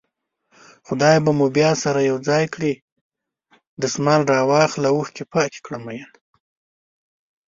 خدای به مو بيا سره يو ځای کړي دسمال راواخله اوښکې پاکې کړه مينه